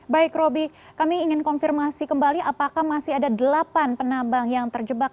baik roby kami ingin konfirmasi kembali apakah masih ada delapan penambang yang terjebak